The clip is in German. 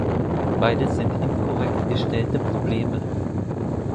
Beides sind inkorrekt gestellte Probleme.